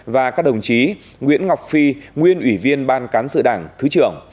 và các đồng chí nguyễn ngọc phi nguyên ủy viên ban cán sự đảng thứ trưởng